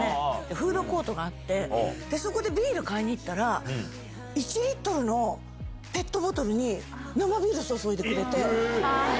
フードコートがあって、そこでビール買いに行ったら、１リットルのペットボトルに生ビール注いでくれて。